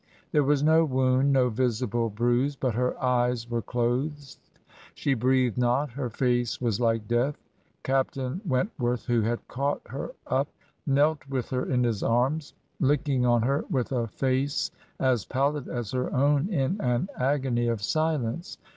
There was no wound, no visible bruise; but her eyes were closed, she breathed not, her face was like death. ... Captain Wentworth, who had caught her up, knelt with her in his arms, looking on her with a face as pallid as her own in an agony of silence.